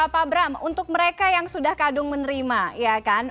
pak bram untuk mereka yang sudah kadung menerima ya kan